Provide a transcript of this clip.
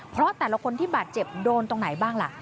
เพราะแต่ละคนที่บาดเจ็บโดนตรงไหนบ้างล่ะ